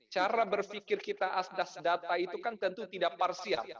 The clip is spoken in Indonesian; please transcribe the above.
cara berpikir kita asdas data itu kan tentu tidak parsial